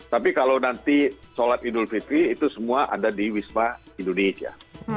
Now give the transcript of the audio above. tapi kalau nanti sholat idul fitri itu semua ada di wisma indonesia